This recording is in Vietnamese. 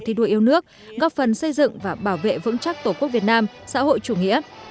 thi đua yêu nước góp phần xây dựng và bảo vệ vững chắc tổ quốc việt nam xã hội chủ nghĩa